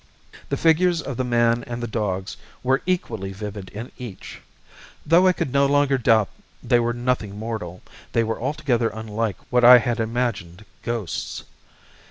The figures of the man and the dogs were equally vivid in each. Though I could no longer doubt they were nothing mortal, they were altogether unlike what I had imagined ghosts.